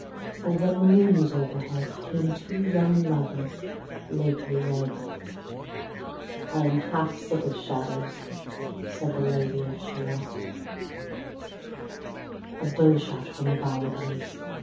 Or, when the moon was overhead, Came two young lovers, lately wed: "I am half sick of shadows," said The Lady of Shalott. Part the Third. A bowshot from her bower eaves.